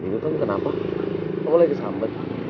ini tom kenapa kamu lagi sambat